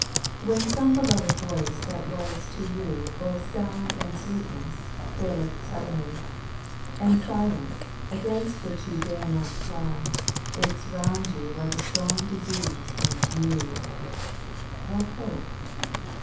"When some beloved voice that was to you Both sound and sweetness, faileth suddenly, And silence, against which you dare not cry, Aches round you like a strong disease and new, What hope?